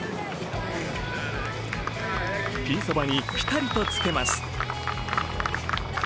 ピンそばにピタリとつけます。